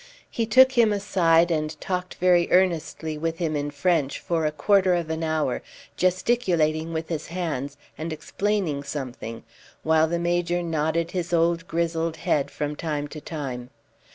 He took him aside and talked very earnestly with him in French for a quarter of an hour, gesticulating with his hands, and explaining something, while the Major nodded his old grizzled head from time to time.